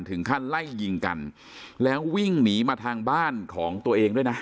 ถึงขั้นไล่ยิงกันแล้ววิ่งหนีมาทางบ้านของตัวเองด้วยนะ